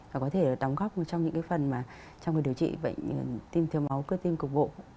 và có thể đóng góp trong những cái phần mà trong cái điều trị bệnh tim thiếu máu cơ tim cực bộ